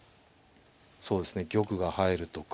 そうですね玉が入るとか。